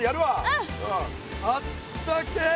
うんあったけえ！